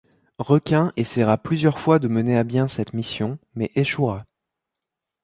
Requin essaiera plusieurs fois de mener à bien cette mission mais échouera.